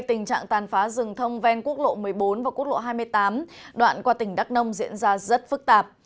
tình trạng tàn phá dừng thông bên quốc lộ một mươi bốn và quốc lộ hai mươi tám đoạn qua tỉnh đắc nông diễn ra rất phức tạp